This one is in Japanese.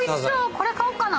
これ買おうかな。